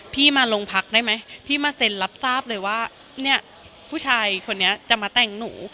พี่มาโรงพักได้ไหมพี่มาเซ็นรับทราบเลยว่าเนี่ยผู้ชายคนนี้จะมาแต่งหนู